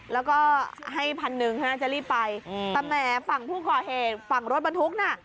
แล้วก็ให้พันหนึ่งใช่ไหมจะรีบไปแต่แหมฝั่งผู้ก่อเหตุฝั่งรถบรรทุกน่ะ